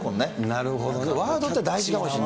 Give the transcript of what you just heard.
なるほどね、ワードって大事かもしれない。